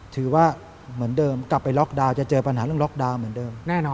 ถือว่าเหมือนเดิมกลับไปล็อกดาวน์